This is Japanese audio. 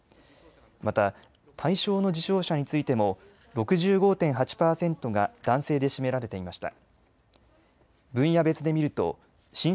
また大賞の受賞者についても６５．８％が男性で占められていました。